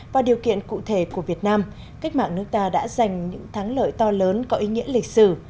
và điều kiện cụ thể của việt nam cách mạng nước ta đã giành những thắng lợi to lớn có ý nghĩa lịch sử